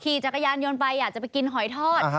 ขี่จักรยานยนต์ไปอยากจะไปกินหอยทอด